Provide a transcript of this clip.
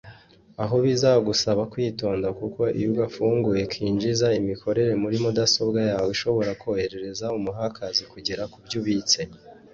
Aho bizagusaba kwitonda kuko iyo ugafunguye kinjiza imikorere muri mudasobwa yawe ishobora korohereza umu hackers kugera kubyo ubitse